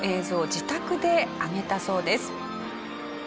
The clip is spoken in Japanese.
自宅で挙げたそうです。